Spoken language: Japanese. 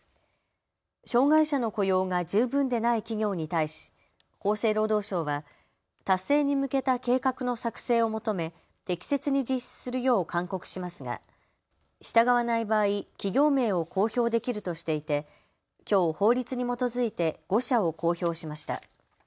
障害者の雇用が十分でない企業に対し厚生労働省は達成に向けた計画の作成を求め適切に実施するよう勧告しますが従わない場合、企業名を公表できるとしていてきょう法律に基づいて５社を公表しました。